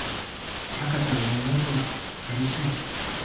「孝ちゃんがいないと淋しい」